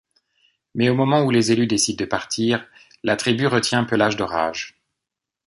Mais au moment où les élus décident de partir, la tribu retient Pelage d'Orage...